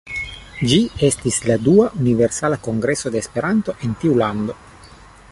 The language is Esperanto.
Ĝi estis la dua Universala Kongreso de Esperanto en tiu lando.